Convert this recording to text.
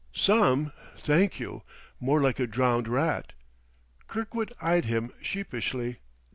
"] "Some, thank you ... more like a drowned rat." Kirkwood eyed him sheepishly.